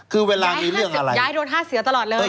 คือเวลามีเรื่องย้ายโดนห้าเสือตลอดเลย